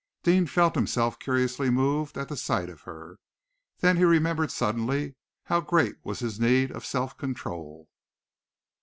Deane felt himself curiously moved at the sight of her. Then he remembered suddenly how great was his need of self control.